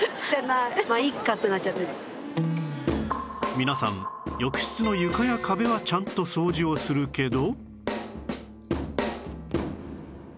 皆さん浴室の床や壁はちゃんと掃除をするけど